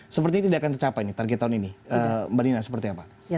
seperti ini tidak akan tercapai target tahun ini mbak nina seperti apa